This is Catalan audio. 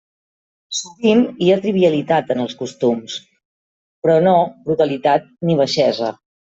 Sovint hi ha trivialitat en els costums, però no brutalitat ni baixesa.